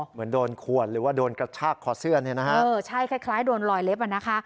เหมือนโดนขวดหรือว่าโดนกระชากคอเสื้อเนี่ยนะฮะเออใช่คล้ายโดนลอยเล็บอ่ะนะคะ